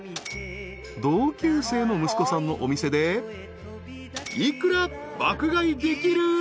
［同級生の息子さんのお店で幾ら爆買いできる？］